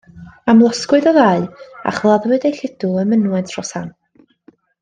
Amlosgwyd y ddau, a chladdwyd eu lludw ym mynwent Rhosan.